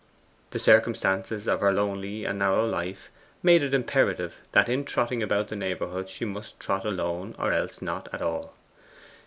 The circumstances of her lonely and narrow life made it imperative that in trotting about the neighbourhood she must trot alone or else not at all.